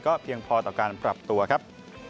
เพียงพอต่อการปรับตัวครับ